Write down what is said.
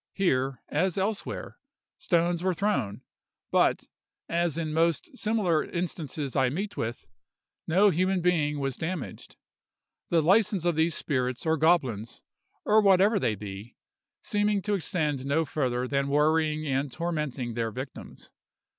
Here, as elsewhere, stones were thrown; but, as in most similar instances I meet with, no human being was damaged—the license of these spirits, or goblins, or whatever they be, seeming to extend no further than worrying and tormenting their victims.